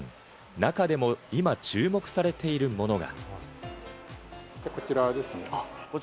中でも今、注目されているものが。